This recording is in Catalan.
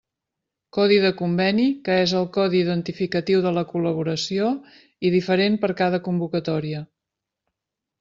Codi de conveni, que és el codi identificatiu de la col·laboració i diferent per cada convocatòria.